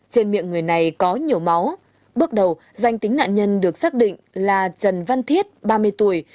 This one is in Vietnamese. trên miệng người này có nhiều máu bước đầu danh tính nạn nhân được xác định là trần văn thiết ba mươi tuổi